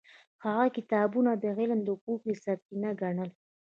هغه کتابونه د علم او پوهې سرچینه ګڼل.